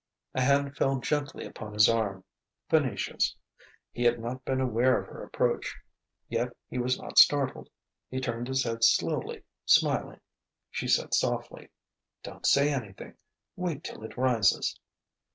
A hand fell gently upon his arm: Venetia's. He had not been aware of her approach, yet he was not startled. He turned his head slowly, smiling. She said softly: "Don't say anything wait till it rises."